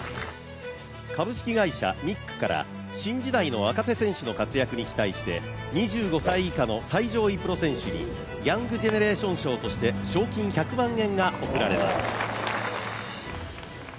株式会社ミックから、新時代の若手選手の活躍に期待して、２５歳以下の最上位プロ選手にヤングジェネレーション賞として賞金１００万円が贈られます。